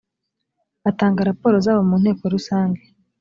batanga raporo zabo mu nteko rusange